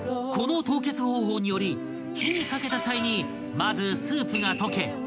［この凍結方法により火にかけた際にまずスープが溶け